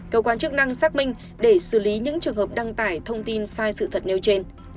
cơ quan chức năng xác minh để xử lý những trường hợp đăng tải thông tin sai sự thật nêu trên